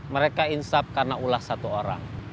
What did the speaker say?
mereka insap karena ulas satu orang